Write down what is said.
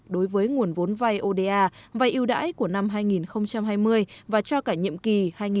đối với nguồn vốn vai oda vai yêu đãi của năm hai nghìn hai mươi và cho cả nhiệm kỳ hai nghìn một mươi sáu hai nghìn hai mươi một